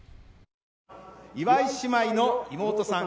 岩井姉妹の妹さん